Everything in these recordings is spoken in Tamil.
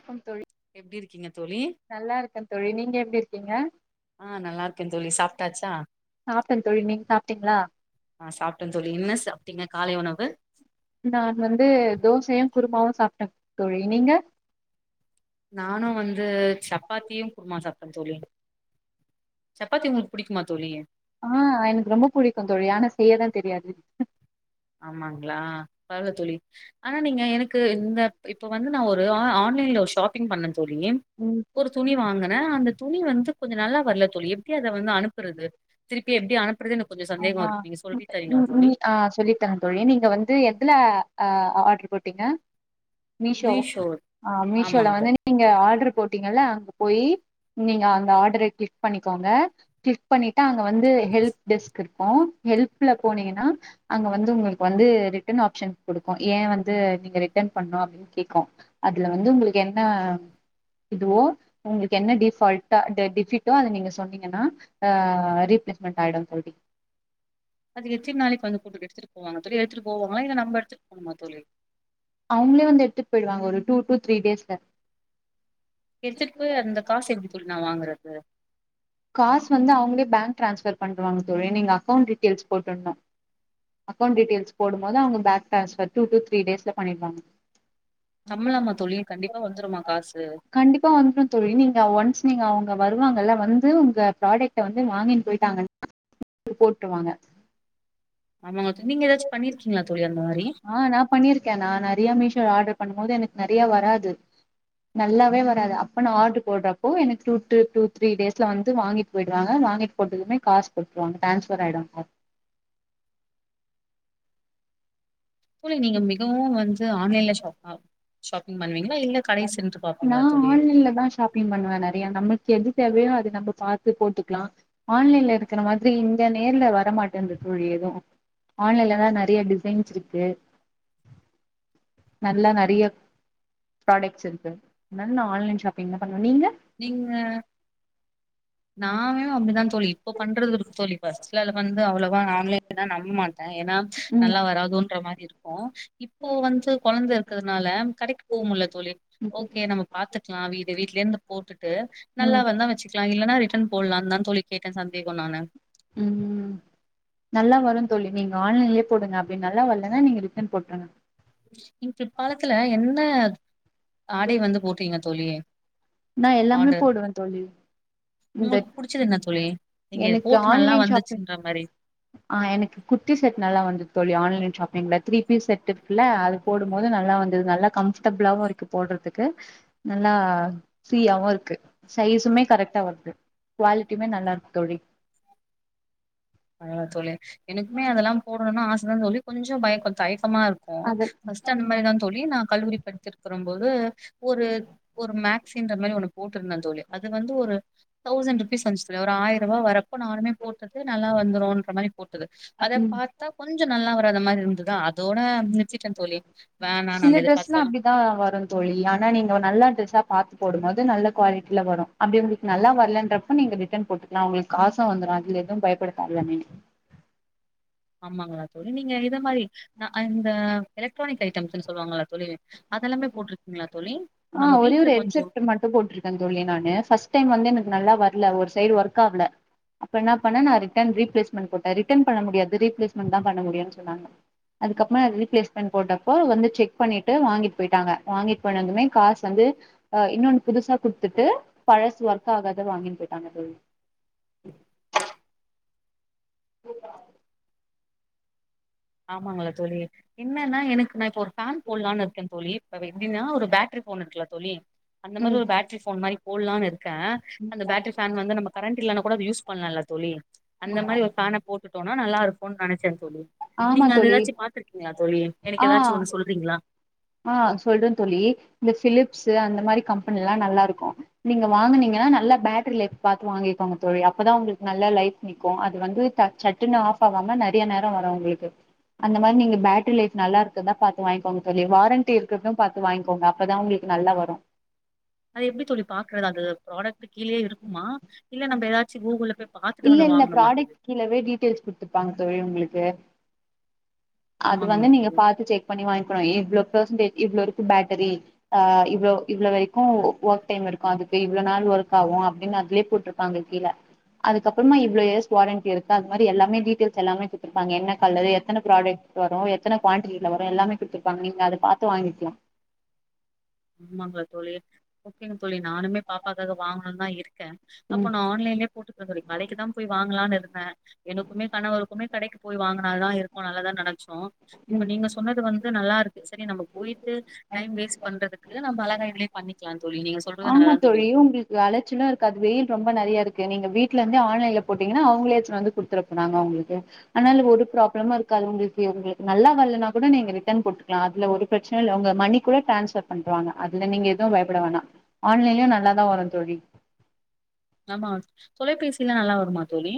க்கம் தோழி ப்டி இருக்கீங்க தோழி நல்லா இருக்கே தோழி நீங்க எப்டி இரு கீங்க ஆ நல்லா இருக்கே தோழி சாப்ட்டாச்சா சாப்ட்டே தோழி நீங்க சாப்ட்டீங்களா ஆ சாப்ட்டே தோழி என்ன சாப்ட்டீங்க காலை உணவு நா வந்து தோசையு குருமாவு சாப்ட்டே தோழி நீங்க நானு வந்து சப்பாத்தியு குருமா சாப் ட்டே தோழி சப்பாத்தி உங்களுக்கு பிடிக்குமா தோழி ஆ எனக்கு ரொம்ப புடிக்குந் தோழி ஆனா செய்யதா தெரியாது ஆமாங்ளா பரவால்ல தோழி ஆனா நீங்க எனக்கு இந்த இப் இப்ப வந்து நா ஒரு ஆ ஆன்லைன்ல ஒரு ஷாப்பிங் பண்ண தோழி ம் ஒரு துணி வாங்குன அந்த துணி வந்து கொஞ்ச நல்லா வரல துணி எப்டி அத வந்து அனுப்புறது திருப்பி எப்டி அனுப்புறதுன்னு ஆமா ம் ம் னி ஆ சொல்லி தரே தோழி நீங்க வந்து எதுல ஆ அ அ ஆர்ட்ரு போட்டீங்க மீஷோ ஆ ஆமாங்க மீஷோல வந்து தோழி நீங்க ஆர்ட்ரு போட்டீங்கல்ல அங்க போயி நீ ங்க அந்த ஆடர கிளிக் பண்ணிக்கோங்க கிளிக் பண்ணிட்டு அங்க வந்து ஹெல்ப் டெஸ்க் இருக்கு ஹெல்ப்ல போனீங்கன்னா அங்க வந்து உங்களுக்கு வந்து ரிட்டர்ன் ஆப்ஷன் குடுக்கு யே வந்து நீங்க ரிட்டர்ன் பண்ணணு அப்டினு கேக்கு அதுல வந்து உங்களுக்கு என்ன இதுவோ உங்களுக்கு என்ன டீஃபால்ட்டா ட டிஃபிக்டோ அத நீங்க சொன்னீங்கன்னா ஆ ரீப்ளேஸ்மெண்ட் ஆயிடு தோழி அது எத்தின் நாளைக்கி வந்து குடுத்துட்டு எடுத்துட்டு போவாங்க தோழி எடுத்துட்டு போவாங்களா இல்ல நம்ம எடுத்துட்டு போணுமா தோழி அவங்களே வந்து எடுத்துட்டு போயி்டுவாங்க ஒரு டூ டு த்ரீ டேஸ்ல எடுத்துட்டு போய் அந்த காசு எப்பிடி தோழி நா வாங்குறது டிரான்ஸ்ஃபர் பண்ணிடுவாங்க தோழி நீங்க அக்கௌண்ட் டீட்டைல்ஸ் போட்டுர்ணு அக்கௌண்ட் டீட்டைல்ஸ் போடும்போது அவங்க bank transfer two to three டேஸ்ல பண்ணிடுவாங்க. சம்பளமா தோழி கண்டிப்பா வந்துருமா காசு கண்டிப்பா வந்துரு தோழி நீங்க ஒன்ஸ் நீங்க அவங் ஆ வருவாங்கல்ல வந்து உங்க ப்ராடக்ட வந்து வாங்கின் போயிட்டாங்கன்னா [inaudible] போட்ருவாங்க ஆமாங்க தோழி நீங்க ஏதாச்சு பண்ணிருக்கீங்களா தோழி அந்த மாரி ஆ பண்ணும்போது எனக்கு நெறைய வராது நல்லாவே வராது அ ப்ப நா ஆர்டரு போட்டப்போ எனக்கு டூ டு டூ த்ரீ டேஸ்ல வந்து வாங்கிட்டு போயிடுறாங்க வாங்கிட்டு போய்ட்டதுமே காசு போட்ருவங்க டரான்ஸ்ஃபர் ஆயிடு காசு தோழி நீங்க மிகவு வந்து ஆன்லைன்ல ஷாப் ஆ நா தோழி ஆன்லைன்லந்தா ஷாப்பிங் பண்ணுவ நறையா நம்மளுக் கு எது தேவையோ அத நம்ம பாத்து போட்டுக்கலா ஆன்லைன்ல இரு இருக்குற மாதிரி இங்க நேர்ல வர் வர்ற மாட்டேங்குது தோழி எது ஆன்லைன்லதா நறையா டிசைன்ஸ் இருக்கு நல்லா நறையா பிராடெக்ட்ஸ் இருக்கு அதனால நா ஆன்லைன் ஷாப் பிங்தா பண்ணுவ நீங்க நாமே அப்டிதா தோழி இப்ப பண்றது இருக்கு தோழி ஃபஸ்ட்டுலெல்லா வந்து அவ்வளவா ஆன்லைன்லா நம் மாட் ட்ட ஏன்னா ம் நல்லா வராதோன்ற மாரி இரு க்கு இப்போ வந்து கொழந்த இருக்குறதுனால கடைக்கு போ முடில தோழி ஓகே நம்ம பாத்துக்கலா வீடு வீட்லியேருந்து போ து நல்லா ம் வந்தா வெச்சுக் லா இல்லன்னா இரு ரிட்டன் போல்லான்தா தோழி கேட்ட சந்தேகோ நானு ம் நல்லா வருந் தோழி நீங்க ஆன்லைன்லயே போடுங்க அப்டி நல்லா வரலன்னா நீங்க ரிட்டன் போட்ருங்க இம் பிரிப்காலத்துல என்ன ஆடை வந்து போட்டீங்க தோழி நா எல்லாமே ஆர்டர். போடுவ தோழி இந்த உங்களுக்கு புடிச்சது என்ன தோழி? [inaudible] நீங்க இது எனக்கு போட்டு நல்லா ஆன்லைன் ஷாப்பிங் வந்துச்சுன்ற மாரி. பண்றது ஆ எனக்கு குர்த்தி செட் நல்லா வந்துது தோழி ஆ ஆன்லைன் ஷாப்பிங்ல த்ரீ பீஸ் செட் இருக்குல்ல அது போடும்போது நல்லா வந்துது நல்லா கம்ஃபர்டபுளாவு இருக்கு போடுறதுக்கு நல்லா ப்ரீயாவு இருக்கு சைஸுமே கரெக்டா வர்து குவாலிட்டியுமே நல்லா இருக்கு தோழி ஆமா தோழி எனக்குமே அதெல்லாம் போடணுன் ஆசதா தோழி கொஞ்சோ பயக்கோ தயக்கமா இருக்கு அது ஃபர்ஸ்ட்டு அந்த மாரிதா தோழி நா கல்லூரி படுத்திருக்கும் போது ஒரு ஒரு மேக்சின்ற மாரி ஒன்னு போட்டுருந்தந் தோழி அது வந்து ஒரு தௌசண்ட் ருபீஸ் வஞ்ச்சு ஒரு ஆயிரூபா வரப்போ நானுமே போட்டது கரெக்டா வந்துரும்ன்ற மாரி போட்டது அத பாத்தா கொஞ்சோ நல்லா வராத மாரி இருந்ததா அதோட ம் நிறுத்திட்டேன் தோழி. வேணாம் சில நம்ம எது டிரெஸ்லா பாத்தாலும் அப்டிதா வருந் தோழி ஆனா நீங்க நல்லா டிரெஸ்ஸா பாத்து போடும் போது நல்ல குவாலிட்டில வரு அப்டி உங்களுக்கு நல்லா வர்லன்றப்ப நீங்க ரிட்டன் போட்டுக்கலா உங்களுக்கு காசு வந்துரு அதுல எதும் பயப்பட தேவ இல்ல நீங்க ஆமாங்களா தோழி நீங்க இத மாரி நா அ இந்த எலக்ட்ரானிக் ஐட்ம்ஸ்ன்னு சொல்லுவாங்கள தோழி அதெல்லாமே போட்டிருக்கீங்களா தோழி இப்ப ஆ நம்ம ஒரே வீட்ல ஒரு கொஞ்சோ ஹெட்செட்டு மட்டு போட்டுருக்கந் தோழி நானு ஃபஸ்ட் டைம் வந்து எனக்கு நல்லா இதா வர்ல ஒரு சைடு ஒர்காவுல அப்போ என்ன பண்ண நா ரிட்டன் ரீபிளேஸ்மெண்ட் போட்ட ரிட்டன் பண்ண முடியாது ரீபிளேஸ்மெண்ட்தா பண்ண முடியுன் சொன்னாங்க அதுக்கப்புறமா ரீபிளேஸ்மெண்ட் போட்டப்போ வந்து செக் பண்ணிட் டு வாங்கிட் போயிட்டாங்க வாங்கிட் போனதுமே காஸ் வந்து அ இன்னொன் புதுசா குடுத்துட்டு பழசு ஒர்க் ஆகாத வாங்கிட் போயிட்டாங்க தோழி ஆமாங்களா தோழி இன்னன்னா எனக்கு நா இப்ப ஒரு ஃபேன் போலானு இருக்கே தோழி இப்ப எப்படனா ஒரு பேட்டரி போன் இருக்கல தோழி அந்த மாரி ம் ஒரு பேட்டரி போன் மாரி போலானு இருக்கே அந்த பேட்டரிஃபேன் வந்து நம்ம கரண்ட் இல்லன்னா கூட அது யூஸ் பண்ணலால்ல தோழி அந்த மாரி ஒரு ஃபேன போட்டுட்டோம்னா நல்லா இருக்கும்னு நெனைச்சே தோழி ஆமா நீங்க அது தோழி ஏதாச்சு பாத்துருக்கீங்களா தோழி எனக்கு ஆ ஏதாச்சு ஒண்ணு சொல்றீங்களா ஆ சொல்றே தோழி இந்த பிலிப்ஸ்ஸூ அந்த மாரி கம்பெனி எல்லா நல்லா இருக்கு நீங்க வாங்கனீங்கன்னா நல்லா பேட்டரி லைஃப் பாத்து வாங்கிக்கோங்க தோழி அப்பதா உங்களுக்கு நல்லா லைஃப் நிக்கு அது வந்து சட்டுன்னு ஆஃப் ஆகாம நெறைய நேர வரும் உங்களுக்கு அந்த மாரி நீங்க பேட்டரி லைஃப் நல்லா இருக்குதா பாத்து வாங்கிக்கோங்க தோழி வாரண்ட்டி இருக்குரத பாத்து வாங்கிக்கோங்க அப்பதா உங்களுக்கு நல்லா வரு அது எப்டி தோழி பாக்குறது அதுல ப்ராடக்ட் கீழேயே இருக்குமா இல்ல நம்ம ஏதாச்சு கூகுள் போய் பாத்துட்டு இல்ல வந்து இல்ல வாங்கணுமா ப்ராடக்ட் கீழவே டீட்டெயில்ஸ் குடுத்துருப்பாங்க தோழி உங்களுக்கு அது ஆமாங்களா வந்து நீங்க தோழி பாத்து செக் பண்ணி வாங்கிக்கணு எவ்ளோ பெர்சன்டேஜ் இவ்ளோ இருக்கு பேட்டரி ஆ இவ்ளோ இவ்ள வரைக்கு ஒர்க் டைம் இருக்கு அதுக்கு இவ்வளவு நாள் ஒர்க் ஆகு அப்டின்னு அதுலே போட்டிருப்பாங்க கீழே அதுக்கப்பறமா இவ்ளோ இயர்ஸ் வாரண்டி இருக்கு அது மாரி எல்லாமே டீட்டெயல்ஸ் எல்லாமே குத்துருப்பாங்க என்ன கலரு எத்தன ப்ராடக்ட் வரும் எத்தன குவான்டிட்டில வரும் எல்லாமே குடுத்துருப்பாங்க நீங்க அத பாத்து வாங்கிக்கலா ஆமாங்களா தோழி ஓகே தோழி நானுமே பாப்பக்காக வாங்க ந தா இருக் கே அப்ப நா ம் ஆன்லைன்லே போட்டுக்கர கலைக்கு தா போய் வாங்கலான்னு இருந்தே எனக்குமே கணவருக்குமே கடைக்கு போய் வாங்குனா தா இருக்கு நல்லாதா நெனைச்சோ இப்ப நீங்க சொன்னது வந்து இது நல்லா இருக்கு சரி நம்ம போயிட்டு டைம் வேஸ்ட் ம் பண்றதுக் இது நம்ப அழகை இதுளே பண்ணிக்கலான் ஆமா தோழி உங்களுக்கு அலைச்சலா இருக்கு அது வெயில் ரொம்ப நெறைய இருக்கு நீங்க வீட்ல இருந்து ஆன்லைன்ல போட்டீங்கன்னா அவங்களே எடுத்னு வந்து குடுத்து போராங்க உங்களுக்கு அதனால ஒரு ப்ராப்ளமா இருக்காது உங்களுக்கு உங்களுக்கு நல்லா வரலன்னா கூட நீங்க ரிட்டர்ன் போட்டுக்கலா அதுல ஒரு பிரச்சன இல்ல உங்க மணி கூட டான்ஸ்பர் பண்வாங்க அதுல நீங்க எதும் பயப்பட வேணா ஆன்லைன்லயு நல்லாதா வரு தோழி ஆமா தொலைபேசிலா நல்லா வருமா தோழி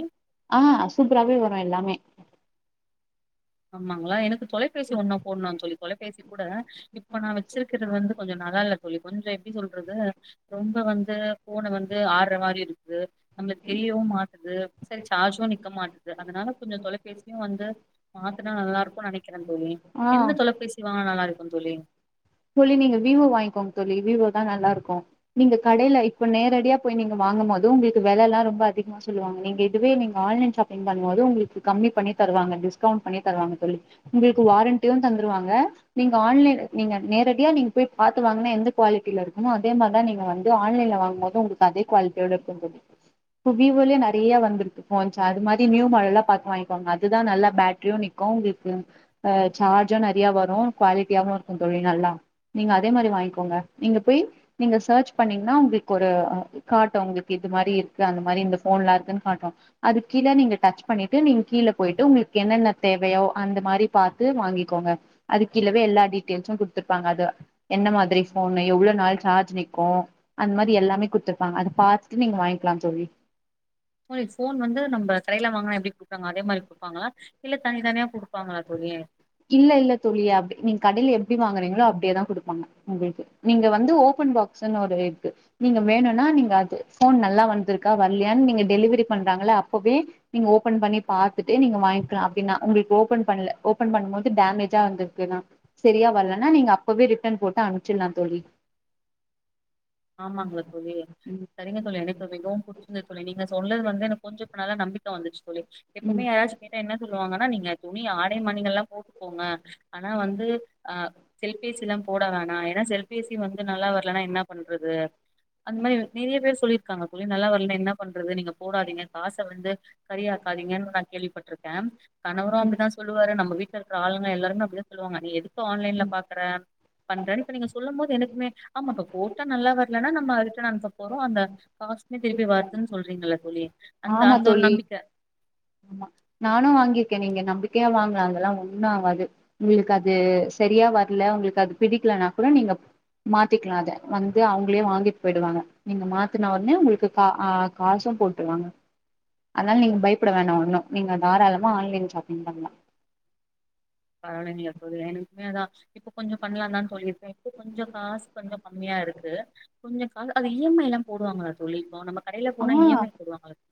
ஆ சூப்பராவே வரு எல்லாமே ஆமாங்களா எனக்கு தொலைபேசி ஒண்ணு போடணும்னு சொல்லி தொலைபேசி கூட இப்ப நா வச்சுருக்கிறது வந்து கொஞ்ச நல்லா இல்ல தோழி கொஞ்ச எப்டி சொல்றது ரொம்ப வந்து போன வந்து இது ஆடுற மாரி இருக்கு இது நம்மளுக் தெரியவு மாட்டுது சரி சார்ஜும் நிக்க மாட்டது அதனால கொஞ்ச தொலைபேசியு வந்து மாத்துனா நல்லா இருக்கு நெனைக்கிறே தோழி ஆ என்ன தொலைபேசி வாங்கலா நல்லா இருக்கு தோழி தோழி நீங்க விவோ வாங்கிக்கோங்க தோழி விவோ தா நல்லா இருக்கு நீங்க கடையில இப்ப நேரடியா போய் நீங்க வாங்கு போது உங்களுக்கு வில எல்லா ரொம்ப அதிகமா சொல்லுவாங்க நீங்க இதுவே நீங்க ஆன்லைன் ஷாப்பிங் பண்ண போது உங்களுக்கு கம்மி பண்ணி தருவாங்க டிஸ்கவுண்ட் பண்ணி தருவாங்க தோழி உங்களுக்கு வாரண்டியு தந்துருவாங்க நீங்க ஆன்லைன் நீங்க நேரடியா நீங்க போய் பாத்து வாங்கினா எந்த குவாலிட்டியில் இருக்குமோ அதே மாரி தா நீங்கள் வந்து ஆன்லைனில் வாங்கும் போது உங்களுக்கு அதே குவாலிட்டியோட இருக்கு போது இப்போ வீவோலே நெறையா வந்திருக்கு ஃபோன்ஸ் அது மாரி நியூ மாடலா பாத்து வாங்கிக்கவாங்க அதுதா நல்லா பேட்ரியும் நிற்கும் உங்களுக்கு சார்ஜும் நெறையா வரு குவாலிட்டியாகவும் இருக்கு தோழி நல்லா நீங்க அதே மாரி வாங்கிக்கோங்க நீங்க போய் நீங்க சர்ச் பண்ணீங்கன்னா உங்களுக்கு ஒரு காட்டு உங்களுக்கு இது மாரி அந்த மாரி இந்த போன்லா இருக்கும்னு காட்டு அதுக்கு கீழ நீங்க டச்சு பண்ணிட்டு நீங்க கீழ போயிட்டு உங்களுக்கு என்னென்ன தேவயோ அந்த மாரி பாத்து வாங்கிக்கோங்க அது கீழ வெல்லாடிப் [unintelligible] குடுத்துருப்பாங்க அது என்ன மாதிரி போன்ன எவ்வளவு நாள் சார்ஜ் நிக்கும் அந்த மாதிரி எல்லாமே குடுத்துருப்பாங்க அத பாத்துட்டு நீங்க வாங்கிக்கலா தோழி போ போன் வந்து நம்ம கடையில வாங்கனா எப்டி குடுப்பறாங்க அதே மாரி குடுப்பாங்களா இல்ல தனித்தனியா குடுப்பாங்களா தோழி இல்ல இல்ல தோழி அப்டி நீ கடில எப் ப்டி வாங்குறீங்களோ அப்டியே தா குடுப்பாங்க உங்களுக்கு நீங்க வந்து ஓப்பன் பாக்ஸ்ன்ன இருக்கு நீங்க வேணும்னா நீங்க அது போன் நல்லா வந்துருக்கா வரலயான்னு நீங்க டெலிவிரி பண்றாங்கள அப்பவே நீங்க ஓப்பன் பண்ணி பாத்தட்டு நீங்க வாங்கிக்கலா அப்டின்னா உங்களுக்கு ஓப்பன் பண்ண ஓப்பன் பண்ணும் போது டேமேஜா வந்திருக்கு சரியா வரலனா நீங்க அப்பவே ரிட்டன் போட்டு அனுச்சிடலா தோழி ஆமாங்களா தோழி ம் சரிங்க தோழி எனக்கு மிகவும் புச்சிருந்து தோழி நீங்க சொ தொல்லன் வந்து என கொஞ்சம்னால நம்பிக்கை வந்துச்சு தோழி எப்பவுமே ம் யாராச்சு கேட்டா என்ன சொல்லுவாங்கன்னா நீங்க துணி ஆடை மணிகள் எல்லா போட்டு போங்க ஆனா வந்து ஆ செல்பேசி எல்லாம் போட வேணா ஏன்னா செல்பேசி வந்து நல்லா வரலன்னா என்ன அது அந்த மாரி நெறைய பேர் சொல்லியிருக்காங்க தோழி அது நல்லா வரல என்ன பண்றது நீங்க போடாதீங்க காச வந்து கரியாக்காதீங்கன்னு நா கேள்விப்பட்டிருக்கே கணவரு ம் அப்டிதா சொல்லுவாரு நம்ம வீட்டு இருக்க ஆளுங்க எல்லாருமே அப்டியே சொல்லுவங்க நீ எதுக் சோ ஆன்லைன்ல பாக்குற பண்றோன இப்ப நீங்க சொல்லும் போது எனக்குமே ஆமா ப போட்டா நல்லா வரலன்னா நம ரிட்டன் அனுப்ப போறோ அந்த காஸ்டுமே திருப்பி வருதுன்னு சொல்றீங்களல்ல தோழி அந்த ஆமா அந்த ஒரு தோழி நம்பிக்க ஆமா நானு வாங்கிருக்கே நீங்க நம்பிக்கையா வாங்கலா அதெல்லா ஒண்ணும் ஆகாது உங்களுக்கு அது சரியா வரல உங்களுக்கு அது பிடிக்கலனா கூட நீங்க மாத்திக்கலா அத வந்து அவங்களே வாங்கிட்டு போயிடுவாங்க நீங்க மாத்தினா உடனே உங்களுக்கு கா ஆ காசும் போட்டுவாங்க அதனால நீங்க பயப்பட வேணா ஒன்னும் நீங்க தாராளமா ஆன்லைன் ஷாப்பிங் பண்ணலா பரவல நீங்க போது எனக்குமே அதா இப்ப கொஞ்சோ பண்ணலாந்தா தோழி சொல்லியிருக்கே இப்போ கொஞ்சோ காஸ் கொஞ்சோ கம்மியா இருக்கு கொஞ்சோ நாங்க அது இஎம்ஐல்லா போடுவாங்களா தோழி இப்போ நம்ம கடையில போனா ஆ இஎம்ஐ போடுவாங்கள தோ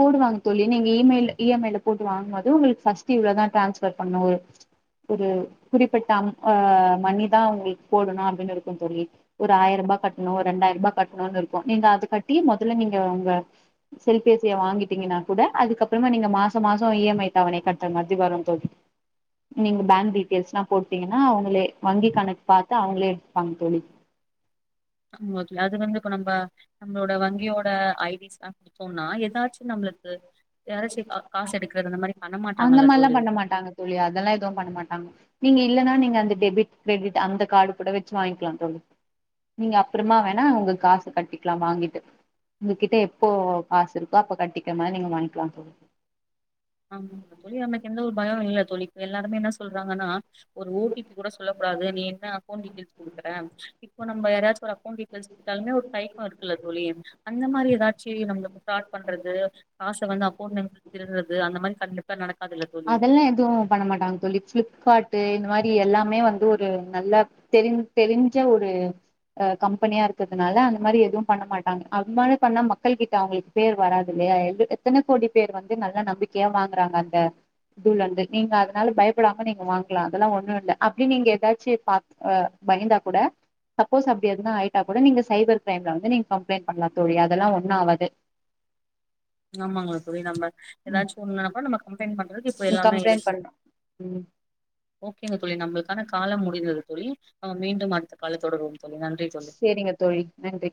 போடுவாங்க தோழி நீங்க இமயில் இஎம்ஐயல போட்டு வாங்கது உங்களுக்கு பஸ்ட் இவ்வளதா டிரான்ஸ்பர் பண்ணு ஒரு குறிப்பிட்ட அம் ஆ மணிதா உங்களுக்கு போடணு அப்பிடின்னு இருக்கு தோழி ஒரு ஆயிரம் ரூபா கட்டணு ரெண்டாயிரரூபா கட்டணு இருக்கு நீங்க அது கட்டி முதல்ல நீங்க உங்க செல் பேசிய வாங்கிட்டீங்கன்னா கூட அதுக்க அப்புறமா நீங்க மாச மாசம் இஎம்ஐ தவணை கட்டுற மாதிரி வரும் தோழி நீங்க பேங்க் டீட்டெயில்ஸ் எல்லா போட்டீங்கன்னா அவங்களே வங்கி கணக்கு பாத்து அவங்களே எடுத்துப்பாங்க தோழி அம்மா தோழி அது வந்து இப்ப நம்ப நம்பளோட வங்கியோட ஐடிஸ் தா சொன்னா ஏதாச்சு நம்மளுக்கு ஏராச்சு க காசு எடுக்கறது அந்த மாரி பண்ண அந்த மாட்டாங்கல்ல மாரில்லா தோழி? பண்ணமாட்டாங்க தோழி அதெல்லா எதுவு பண்ண மாட்டாங்க நீங்கி இல்லன்னா நீங்க அந்த டெபிட் கிரெடிட் அந்த கார்டு கூட வச்சி வாங்கிக்கலா தோழி நீங்க அப்புறமா வேணா உங்க காசு கட்டிக்கலா வாங்கிட்டு உங்ககிட்ட எப்போ காசு இருக்கோ அப்ப கட்டிக்கிற மாரி நீங்க வாங்கிக்கலா தோழி ஆமா ஆ தோழி நமக்கு எந்த ஒரு பயோ இல்ல தோழி இப்ப எல்லாருமே என்ன சொல்றாங்கன்னா ஒரு ஓடிபி கூட சொல்ல கூடாது நீ என்னா ஃபோன் டீட்டைல்ஸ் குடுக்ரே இப்ப நம்ம யாரச்சு ஒரு அக்கொன்ட் டீடையல்ஸ் ட்டாலுமே ஒரு தயக்கோ இருக்குல்ல தோழி அந்த மாரி ஏதாச்சி நம்மளுக்கு ஃபிராடு பண்றது காச வந்து அமொண்ட வந்து திருடுற து அந்த மாரி கண்டிப்பா நடக் அதெல்லா எதுவு பண்ண மாட்டாங்க தோழி ஃபிளிப்காட்டு இந்த மாரி எல்லாம் இதுவுமே வந்து ஒரு நல்ல தெரிஞ் தெரிஞ்ச ஒரு அ கம்பெனியா இருக்கதுனால அந்த மாரி எதுவு பண்ண மாட்டாங்க அது மாரி பண்ணா மக்கள் கிட்ட அவங்களுக்கு பேர் வராது இல்லையா எங்குலுக்கு எத்தன கோடி பேர் வந்து நல்ல நம்பிக்கையா வாங்குறாங்க அங்க துலந்து நீங்க அதனால பயப்படாம நீங்க வாங்கலா அதெல்லா ஒண்ணு இல்ல அப்பிடினு நீங்க ஏதாச்சி பா பயந்தா கூட சப்போஸ் அப்பிடி எதுனா ஆயிட்டா கூட நீங்க சைபர் கிரைம்ல வந்து நீங்க கம்ப்ளைண் பண்ணலா தோழி அதெல்லா ஒன்னு ஆவாது நம்மாங்களா தோழி நம்ம ம் ஏதாச்சு ஒண்ணுனாப்ப நம்ம கம்ப்ளைண்ட் பண்றது கம்ப்ளைண்ட் பண்றம் ம் ஓகேங்க தோழி நம்மளுக்கான கால முடிந்தது தோழி நம் மீண்டும் அடுத்த கால தொடருவோ சேரிங்க தோழி நன்றி